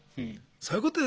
そういうことよね。